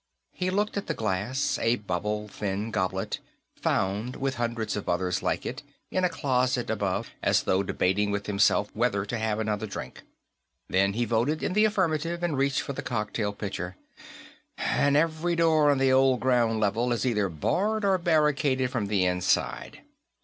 He looked at the glass, a bubble thin goblet, found, with hundreds of others like it, in a closet above, as though debating with himself whether to have another drink. Then he voted in the affirmative and reached for the cocktail pitcher. "And every door on the old ground level is either barred or barricaded from the inside.